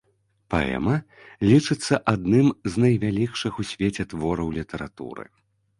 Паэма лічыцца адным з найвялікшых у свеце твораў літаратуры.